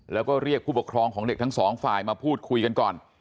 แล้วก็เรียกผู้ปกครองของเด็กทั้งสองฝ่ายมาพูดคุยกันก่อน